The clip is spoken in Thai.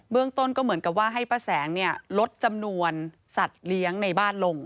เรื่องต้นก็เหมือนกับว่าให้ป้าแสงลดจำนวนสัตว์เลี้ยงในบ้านลง